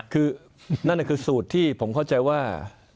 คือนั่นคือสูตรที่ผมเข้าใจว่า